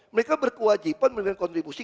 mereka berkewajiban menggunakan kontribusi